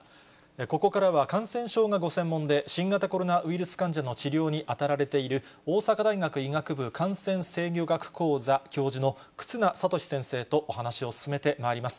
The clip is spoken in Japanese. ここからは感染症がご専門で、新型コロナウイルス患者の治療に当たられている、大阪大学医学部感染制御学講座教授の忽那賢志先生とお話しを進めてまいります。